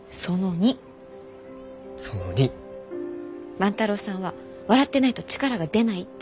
万太郎さんは笑ってないと力が出ないって。